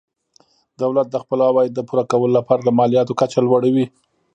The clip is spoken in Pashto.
دولت د خپلو عوایدو د پوره کولو لپاره د مالیاتو کچه لوړوي.